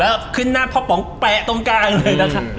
แล้วขึ้นหน้าพอปกป๋องแปะต้มกลางเลยไฟ